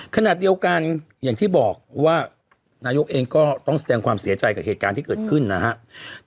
ขณะเดียวกันอย่างที่บอกว่านายกเองก็ต้องแสดงความเสียใจกับเหตุการณ์ที่เกิดขึ้นนะครับ